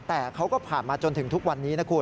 แต่เขาก็ผ่านมาจนถึงทุกวันนี้นะคุณ